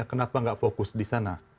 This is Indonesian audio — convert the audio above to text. kenapa nggak fokus di sana